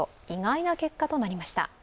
意外な結果となりました。